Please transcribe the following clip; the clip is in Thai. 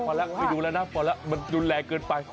ไปดูแล้วนะมันยุนแรงเกินไป